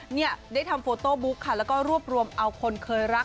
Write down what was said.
เนี่ยได้ทำโฟโต้บุ๊กค่ะแล้วก็รวบรวมเอาคนเคยรัก